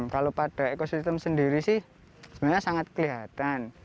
kalau pada ekosistem sendiri sih sebenarnya sangat kelihatan